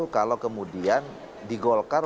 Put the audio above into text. kalau kemudian di golkar